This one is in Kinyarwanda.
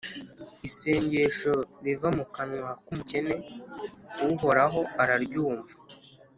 Isengesho riva mu kanwa k’umukene, Uhoraho araryumva,